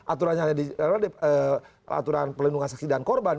aturan pelindungan saksi dan korban